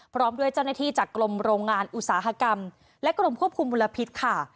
พร้อมด้วยเจ้าหน้าที่จากกรมโรงงานอุตสาหกรรมและกรมควบคุมมลพิษค่ะ